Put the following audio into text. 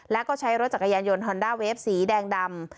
แล้วก็ใช้รถจักรยานยนต์ฮอนด้าเวฟสีแดงดำ